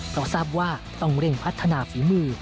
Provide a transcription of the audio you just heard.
เพราะทราบว่าต้องเร่งพัฒนาฝีมือ